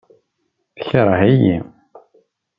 Tekṛeh-iyi.